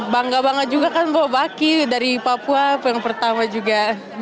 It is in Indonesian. bangga bangga juga kan bawa baki dari papua yang pertama juga